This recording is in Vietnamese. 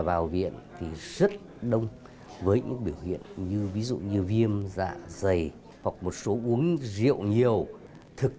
vào viện thì rất đông với những biểu hiện như ví dụ như viêm dạ dày hoặc một số uống rượu nhiều thực